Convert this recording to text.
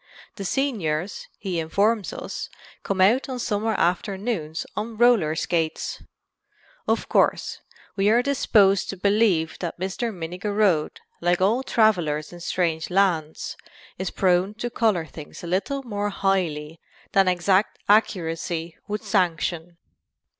The seniors, he informs us, come out on summer afternoons on roller skates. Of course, we are disposed to believe that Mr. Minnigerode, like all travelers in strange lands, is prone to color things a little more highly than exact accuracy would sanction.